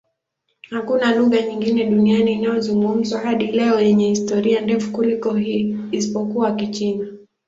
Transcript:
Hakuna lugha nyingine duniani inayozungumzwa hadi leo yenye historia ndefu kuliko hii, isipokuwa Kichina.